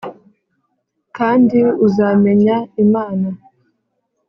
kandi uzamenya Imana